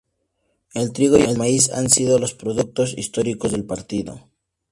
El trigo y el maíz han sido los productos históricos del partido.